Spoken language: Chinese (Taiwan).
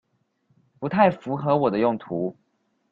不太符合我的用途